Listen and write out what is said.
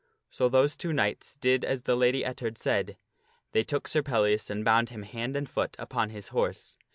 So those two knights did as the Lady Ettard said ; they took Sir Pellias and bound him hand and foot upon his horse.